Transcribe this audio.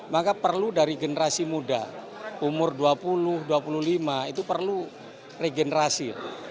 maka perlu dari generasi muda umur dua puluh dua puluh lima itu perlu regenerasi